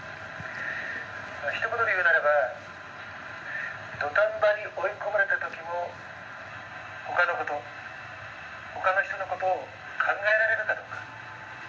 ひと言で言うならば土壇場に追い込まれた時も他のこと他の人のことを考えられるかどうか。